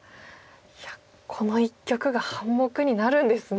いやこの一局が半目になるんですね。